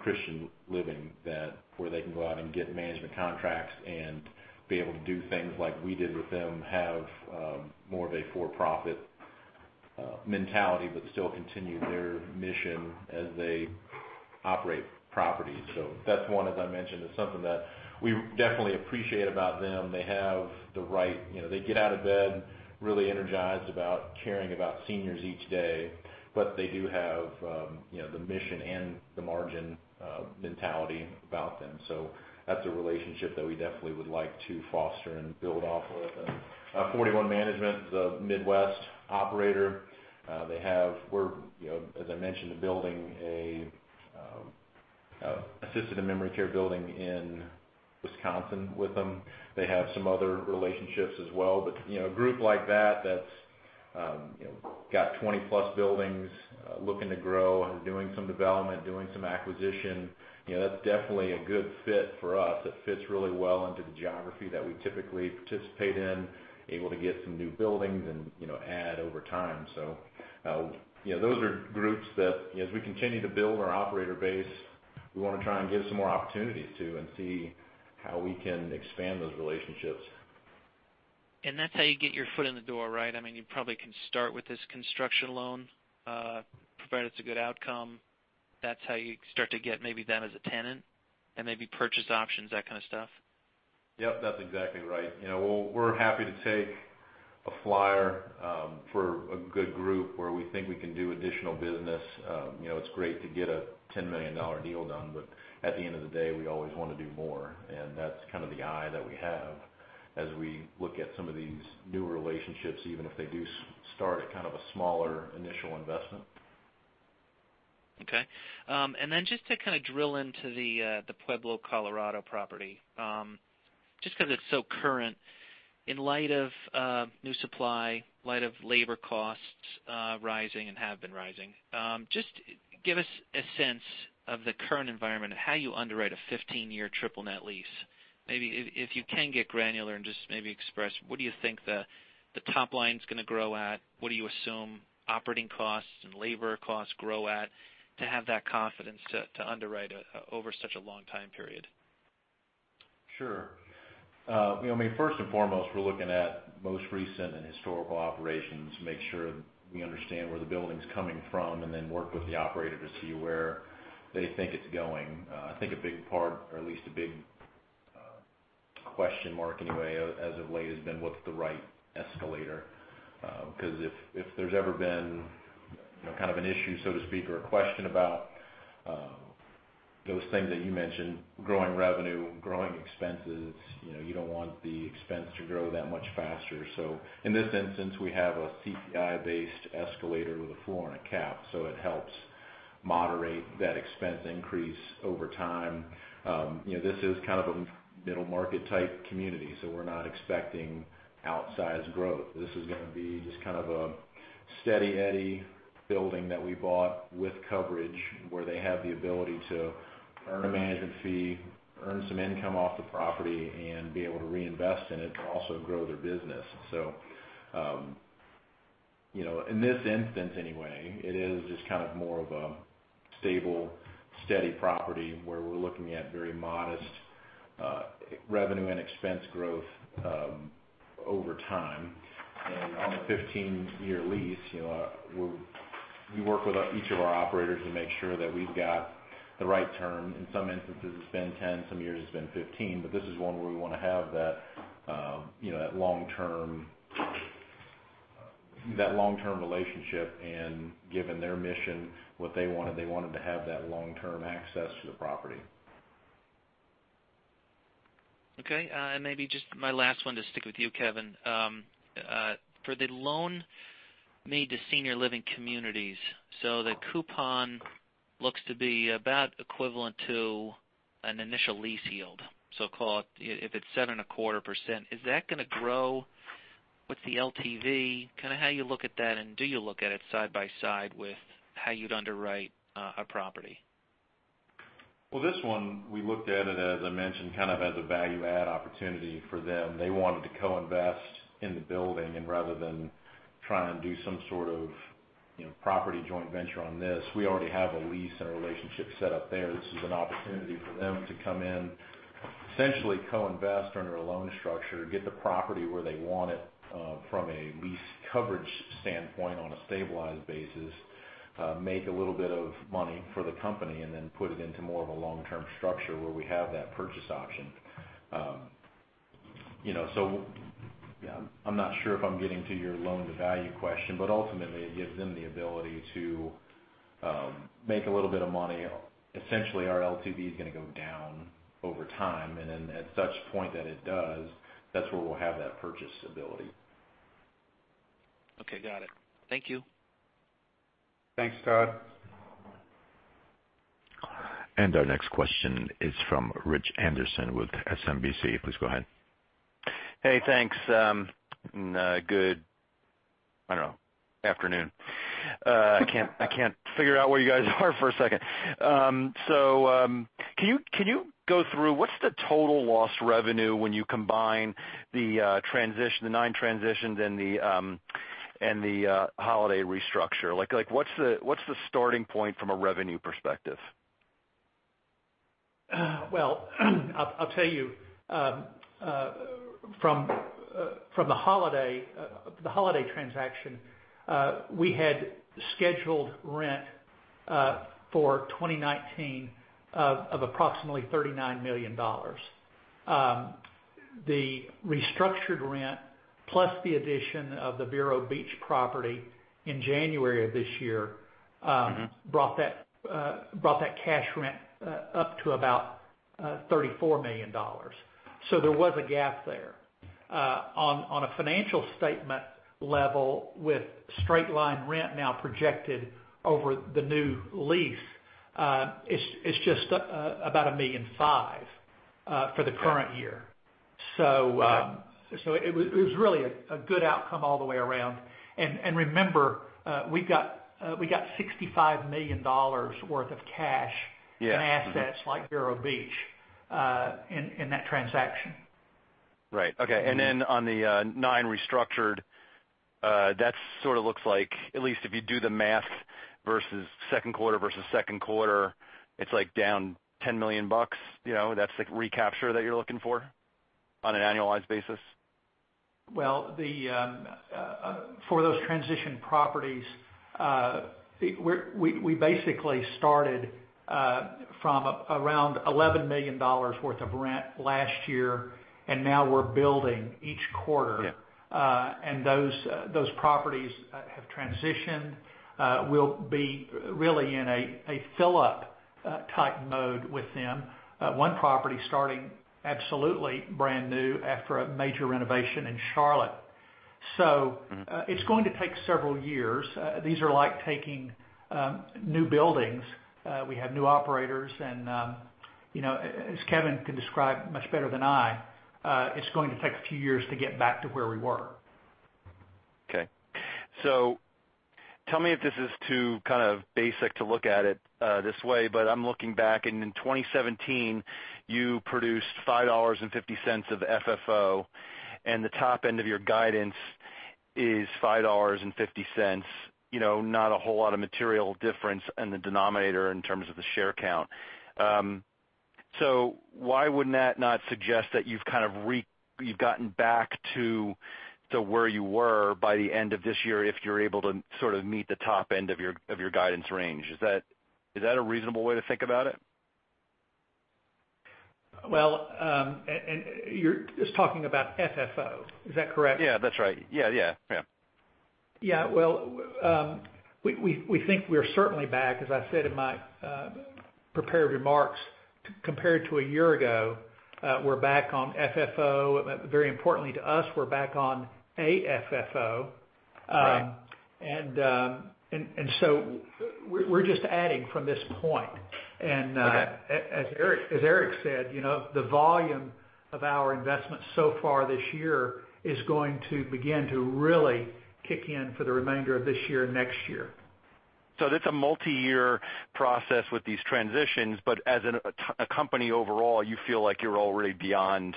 Christian Living where they can go out and get management contracts and be able to do things like we did with them, have more of a for-profit mentality, but still continue their mission as they operate properties. That's one, as I mentioned, is something that we definitely appreciate about them. They get out of bed really energized about caring about seniors each day. They do have the mission and the margin mentality about them. That's a relationship that we definitely would like to foster and build off of. Forty One Management is a Midwest operator. They have, as I mentioned, a building, a assisted memory care building in Wisconsin with them. They have some other relationships as well. A group like that's got 20+ buildings, looking to grow and doing some development, doing some acquisition, that's definitely a good fit for us. It fits really well into the geography that we typically participate in, able to get some new buildings and add over time. Those are groups that, as we continue to build our operator base, we want to try and get some more opportunities too, and see how we can expand those relationships. That's how you get your foot in the door, right? You probably can start with this construction loan, provided it's a good outcome. That's how you start to get maybe them as a tenant and maybe purchase options, that kind of stuff? Yep, that's exactly right. We're happy to take a flyer for a good group where we think we can do additional business. It's great to get a $10 million deal done. At the end of the day, we always want to do more. That's kind of the eye that we have as we look at some of these new relationships, even if they do start at kind of a smaller initial investment. Okay. Just to kind of drill into the Pueblo, Colorado property, just because it's so current. In light of new supply, in light of labor costs rising, and have been rising, just give us a sense of the current environment of how you underwrite a 15-year triple net lease. Maybe if you can get granular and just maybe express what do you think the top line's going to grow at, what do you assume operating costs and labor costs grow at to have that confidence to underwrite over such a long time period? Sure. First and foremost, we're looking at most recent and historical operations to make sure we understand where the building's coming from, and then work with the operator to see where they think it's going. I think a big part, or at least a big question mark anyway, as of late, has been what's the right escalator? If there's ever been kind of an issue, so to speak, or a question about those things that you mentioned, growing revenue, growing expenses, you don't want the expense to grow that much faster. In this instance, we have a CPI-based escalator with a floor and a cap, so it helps moderate that expense increase over time. This is kind of a middle-market type community. We're not expecting outsized growth. This is going to be just kind of a steady eddy building that we bought with coverage, where they have the ability to earn a management fee, earn some income off the property, and be able to reinvest in it to also grow their business. In this instance anyway, it is just kind of more of a stable, steady property where we're looking at very modest revenue and expense growth over time. On the 15-year lease, we work with each of our operators to make sure that we've got the right term. In some instances, it's been 10, some years it's been 15, but this is one where we want to have that long-term relationship, and given their mission, what they wanted, they wanted to have that long-term access to the property. Okay. Maybe just my last one to stick with you, Kevin. For the loan made to Senior Living Communities, the coupon looks to be about equivalent to an initial lease yield. Call it, if it's 7.25%, is that going to grow with the LTV? Kind of how you look at that, and do you look at it side by side with how you'd underwrite a property? Well, this one, we looked at it, as I mentioned, kind of as a value add opportunity for them. They wanted to co-invest in the building, and rather than trying to do some sort of property joint venture on this, we already have a lease and a relationship set up there. This is an opportunity for them to come in, essentially co-invest under a loan structure, get the property where they want it from a lease coverage standpoint on a stabilized basis, make a little bit of money for the company, and then put it into more of a long-term structure where we have that purchase option. I'm not sure if I'm getting to your loan-to-value question, but ultimately it gives them the ability to make a little bit of money. Essentially, our LTV is going to go down over time, and then at such point that it does, that's where we'll have that purchase ability. Okay. Got it. Thank you. Thanks, Todd. Our next question is from Rich Anderson with SMBC. Please go ahead. Hey, thanks. Good, I don't know, afternoon. I can't figure out where you guys are for a second. Can you go through what's the total loss revenue when you combine the nine transitions and the Holiday restructure? What's the starting point from a revenue perspective? Well, I'll tell you. From the Holiday transaction, we had scheduled rent for 2019 of approximately $39 million. The restructured rent, plus the addition of the Vero Beach property in January of this year. brought that cash rent up to about $34 million. There was a gap there. On a financial statement level, with straight-line rent now projected over the new lease, it's just about $1,000,005 for the current year. Okay. It was really a good outcome all the way around. Remember, we got $65 million worth of cash. Yeah. Mm-hmm in assets like Vero Beach in that transaction. Right. Okay. Then on the nine restructured, that sort of looks like, at least if you do the math, second quarter versus second quarter, it's down $10 million. That's the recapture that you're looking for on an annualized basis? Well, for those transition properties, we basically started from around $11 million worth of rent last year, and now we're building each quarter. Yeah. Those properties have transitioned. We'll be really in a fill-up type mode with them. One property starting absolutely brand-new after a major renovation in Charlotte. It's going to take several years. These are like taking new buildings. We have new operators and as Kevin could describe much better than I, it's going to take a few years to get back to where we were. Okay. Tell me if this is too basic to look at it this way, but I'm looking back, and in 2017, you produced $5.50 of FFO, and the top end of your guidance is $5.50. Not a whole lot of material difference in the denominator in terms of the share count. Why wouldn't that not suggest that you've gotten back to where you were by the end of this year if you're able to sort of meet the top end of your guidance range? Is that a reasonable way to think about it? Well, you're just talking about FFO. Is that correct? Yeah, that's right. Yeah. Yeah. Well, we think we're certainly back, as I said in my prepared remarks, compared to a year ago, we're back on FFO. Very importantly to us, we're back on AFFO. Right. We're just adding from this point. Okay. As Eric said, the volume of our investments so far this year is going to begin to really kick in for the remainder of this year and next year. That's a multi-year process with these transitions, but as a company overall, you feel like you're already beyond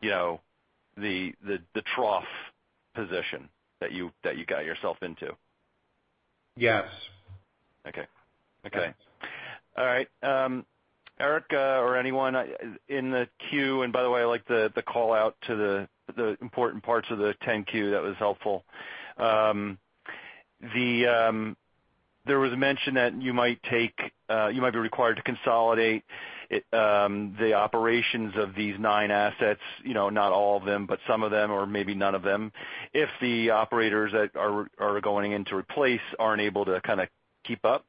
the trough position that you got yourself into. Yes. Okay. All right. Eric, or anyone in the queue, and by the way, I like the callout to the important parts of the 10-Q. That was helpful. There was a mention that you might be required to consolidate the operations of these nine assets, not all of them, but some of them, or maybe none of them, if the operators that are going in to replace aren't able to kind of keep up.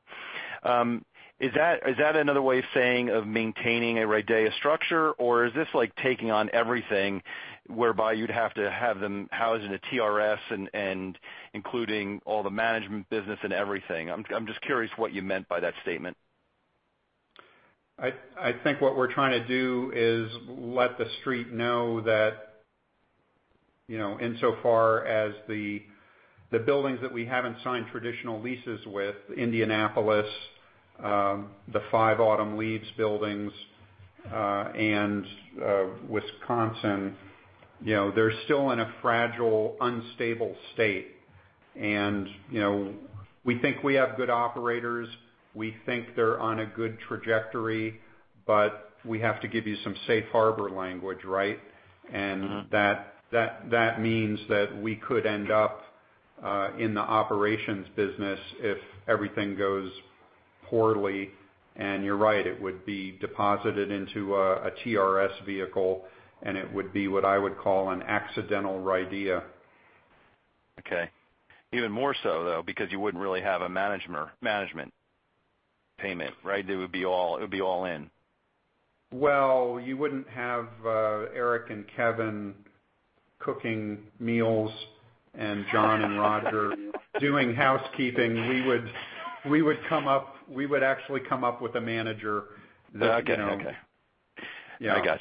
Is that another way of saying of maintaining a RIDEA structure, or is this like taking on everything whereby you'd have to have them housed in a TRS and including all the management business and everything? I'm just curious what you meant by that statement. I think what we're trying to do is let The Street know that, insofar as the buildings that we haven't signed traditional leases with, Indianapolis, the five Autumn Leaves buildings, and Wisconsin, they're still in a fragile, unstable state. We think we have good operators. We think they're on a good trajectory, we have to give you some safe harbor language, right? That means that we could end up in the operations business if everything goes poorly. You're right, it would be deposited into a TRS vehicle, and it would be what I would call an accidental RIDEA. Okay. Even more so, though, because you wouldn't really have a management payment, right? It would be all in. Well, you wouldn't have Eric and Kevin cooking meals and John and Roger doing housekeeping. We would actually come up with a manager. I get it. Okay. Yeah.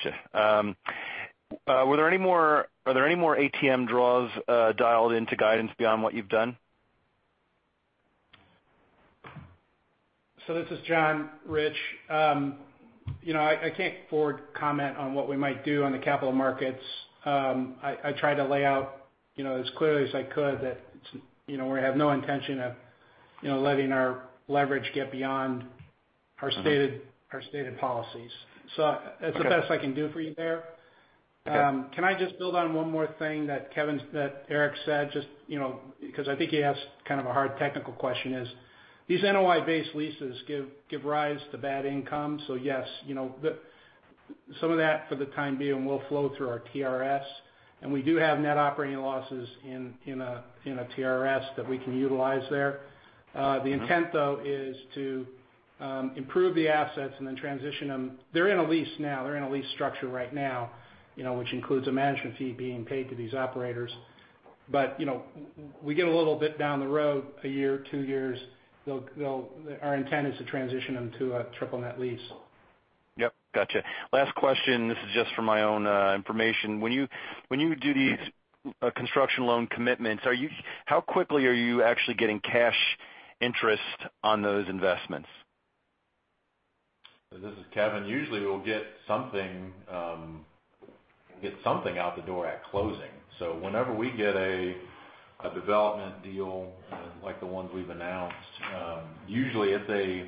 I gotcha. Are there any more ATM draws dialed into guidance beyond what you've done? This is John, Rich. I can't further comment on what we might do on the capital markets. I tried to lay out as clearly as I could that we have no intention of letting our leverage get beyond our stated policies. That's the best I can do for you there. Okay. Can I just build on one more thing that Eric said, just because I think he asked kind of a hard technical question is, these NOI-based leases give rise to bad income. Yes, some of that for the time being will flow through our TRS. We do have net operating losses in a TRS that we can utilize there. The intent, though, is to improve the assets and then transition them. They're in a lease now. They're in a lease structure right now, which includes a management fee being paid to these operators. We get a little bit down the road, a year, two years, our intent is to transition them to a triple net lease. Yep. Gotcha. Last question. This is just for my own information. When you do these construction loan commitments, how quickly are you actually getting cash interest on those investments? This is Kevin. Usually, we'll get something out the door at closing. Whenever we get a development deal like the ones we've announced. Usually, it's a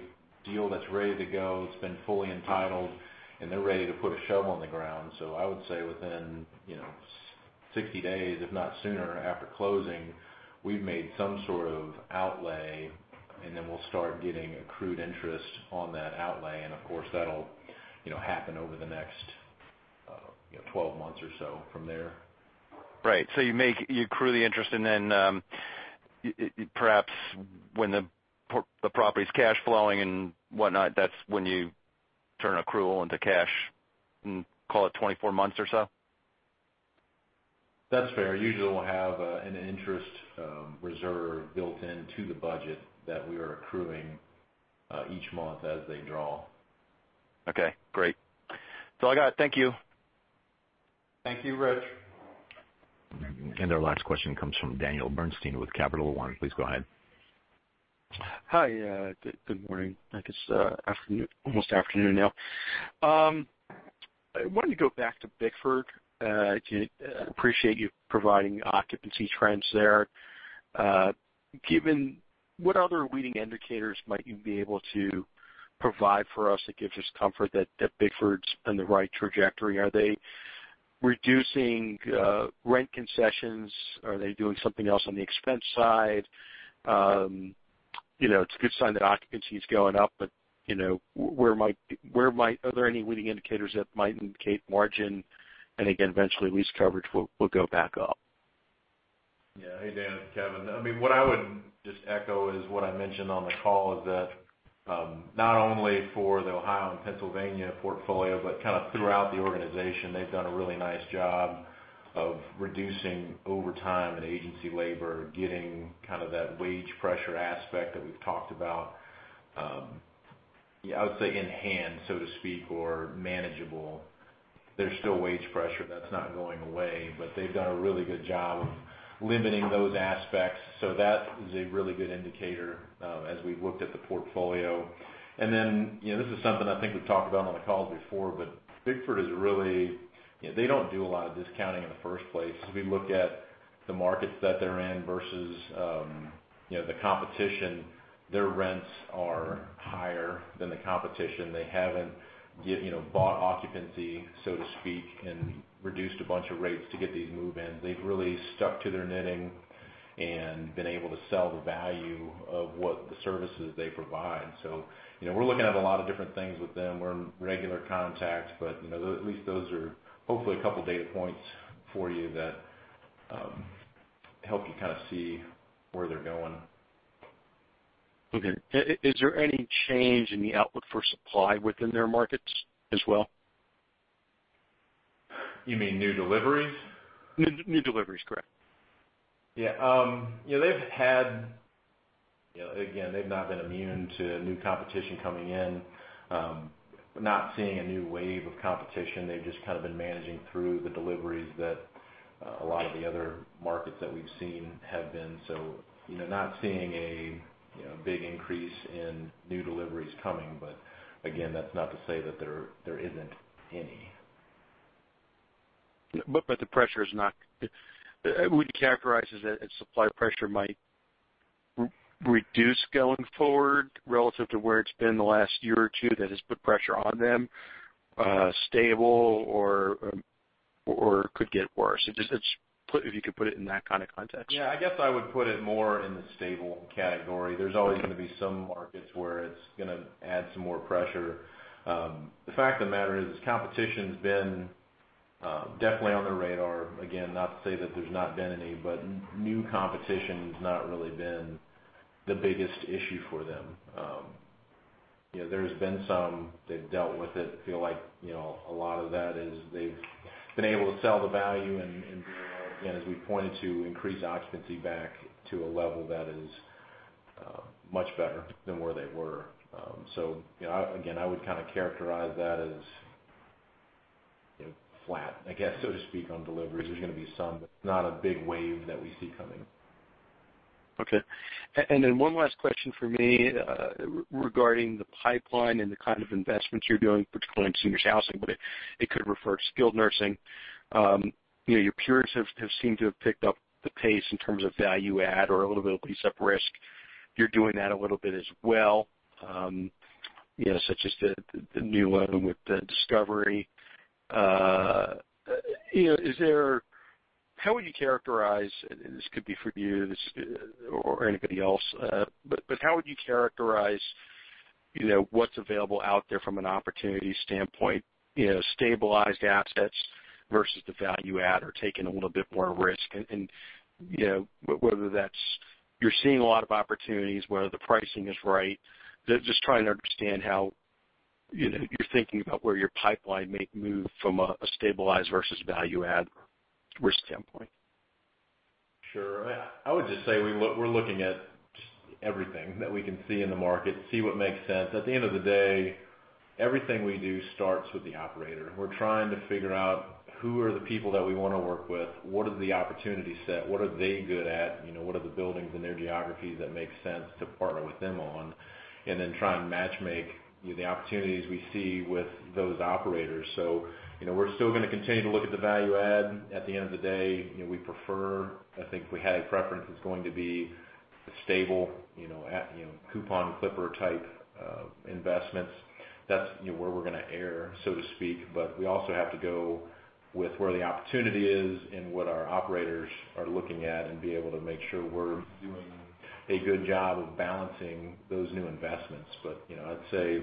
deal that's ready to go, it's been fully entitled, and they're ready to put a shovel in the ground. I would say within 60 days, if not sooner, after closing, we've made some sort of outlay, and then we'll start getting accrued interest on that outlay. Of course, that'll happen over the next 12 months or so from there. Right. You accrue the interest, and then perhaps when the property's cash flowing and whatnot, that's when you turn accrual into cash and call it 24 months or so? That's fair. Usually, we'll have an interest reserve built into the budget that we are accruing each month as they draw. Okay, great. That's all I got. Thank you. Thank you, Rich. Our last question comes from Daniel Bernstein with Capital One. Please go ahead. Hi, good morning. I guess almost afternoon now. I wanted to go back to Bickford. Appreciate you providing occupancy trends there. Given what other leading indicators might you be able to provide for us that gives us comfort that Bickford's on the right trajectory? Are they reducing rent concessions? Are they doing something else on the expense side? It's a good sign that occupancy's going up, but are there any leading indicators that might indicate margin, and again, eventually, lease coverage will go back up? Yeah. Hey, Dan, it's Kevin. What I would just echo is what I mentioned on the call, is that not only for the Ohio and Pennsylvania portfolio, but kind of throughout the organization, they've done a really nice job of reducing overtime and agency labor, getting kind of that wage pressure aspect that we've talked about, I would say, in hand, so to speak, or manageable. There's still wage pressure. That's not going away, but they've done a really good job of limiting those aspects. That is a really good indicator as we've looked at the portfolio. Then, this is something I think we've talked about on the call before, but Bickford is really They don't do a lot of discounting in the first place. As we look at the markets that they're in versus the competition, their rents are higher than the competition's. They haven't bought occupancy, so to speak, and reduced a bunch of rates to get these move-ins. They've really stuck to their knitting and been able to sell the value of what the services they provide. We're looking at a lot of different things with them. We're in regular contact, but at least those are hopefully a couple data points for you that help you kind of see where they're going. Okay. Is there any change in the outlook for supply within their markets as well? You mean new deliveries? New deliveries, correct. Yeah. They've had Again, they've not been immune to new competition coming in. Not seeing a new wave of competition. They've just kind of been managing through the deliveries that a lot of the other markets that we've seen have been. Not seeing a big increase in new deliveries coming, but again, that's not to say that there isn't any. Would you characterize it as supply pressure might reduce going forward relative to where it's been the last year or two that has put pressure on them, stable, or could get worse? If you could put it in that kind of context. Yeah. I guess I would put it more in the stable category. There's always going to be some markets where it's going to add some more pressure. The fact of the matter is, competition's been definitely on their radar. Again, not to say that there's not been any, but new competition's not really been the biggest issue for them. There's been some. They've dealt with it. Feel like a lot of that is they've been able to sell the value and, again, as we pointed to, increase occupancy back to a level that is much better than where they were. Again, I would kind of characterize that as flat, I guess, so to speak, on deliveries. There's going to be some, but not a big wave that we see coming. Okay. Then one last question from me regarding the pipeline and the kind of investments you're doing, particularly in senior housing, but it could refer to skilled nursing. Your peers have seemed to have picked up the pace in terms of value add or a little bit of a piece of risk. You're doing that a little bit as well, such as the new one with Discovery. How would you characterize, this could be for you or anybody else, but how would you characterize what's available out there from an opportunity standpoint? Stabilized assets versus the value add or taking a little bit more risk, and whether that's you're seeing a lot of opportunities, whether the pricing is right. Just trying to understand how you're thinking about where your pipeline may move from a stabilized versus value add risk standpoint. Sure. I would just say we're looking at everything that we can see in the market, see what makes sense. At the end of the day, everything we do starts with the operator. We're trying to figure out who are the people that we want to work with, what are the opportunity set, what are they good at, what are the buildings in their geographies that make sense to partner with them on, and then try and matchmake the opportunities we see with those operators. We're still going to continue to look at the value add. At the end of the day, we prefer, I think if we had a preference, it's going to be stable, coupon clipper type investments. That's where we're going to err, so to speak, but we also have to go with where the opportunity is and what our operators are looking at, and be able to make sure we're doing a good job of balancing those new investments. I'd say,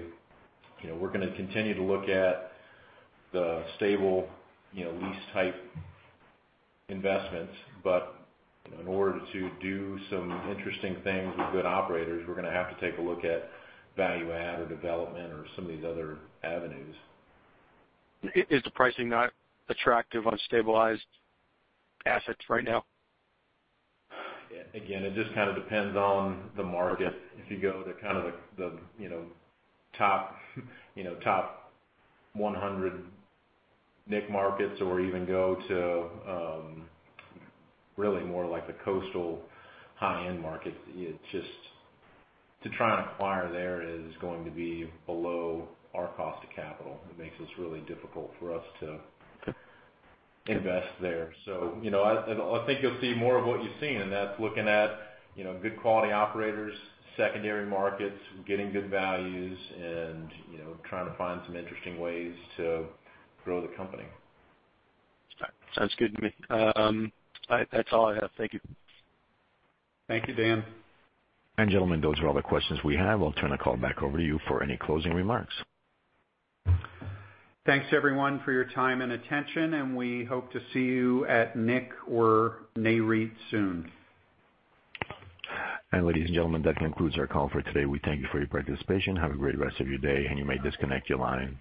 we're going to continue to look at the stable lease type investments. In order to do some interesting things with good operators, we're going to have to take a look at value add or development or some of these other avenues. Is the pricing not attractive on stabilized assets right now? It just kind of depends on the market. If you go to the kind of the top 100 NIC markets or even go to really more like the coastal high-end market, to try and acquire there is going to be below our cost of capital. It makes this really difficult for us to invest there. I think you'll see more of what you've seen, and that's looking at good quality operators, secondary markets, getting good values and trying to find some interesting ways to grow the company. Sounds good to me. All right, that's all I have. Thank you. Thank you, Dan. gentlemen, those are all the questions we have. I'll turn the call back over to you for any closing remarks. Thanks everyone for your time and attention, and we hope to see you at NIC or NAREIT soon. Ladies and gentlemen, that concludes our call for today. We thank you for your participation. Have a great rest of your day, and you may disconnect your line.